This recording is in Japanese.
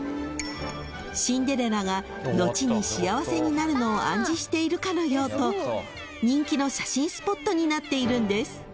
［シンデレラが後に幸せになるのを暗示しているかのようと人気の写真スポットになっているんです］